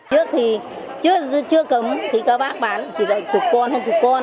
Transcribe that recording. trước thì chưa cấm thì các bác bán chỉ được chục con